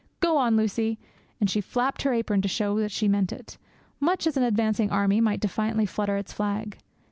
'Go on, Lucie,' and she flapped her apron to show that she meant it, much as an advancing army might defiantly flutter its flag.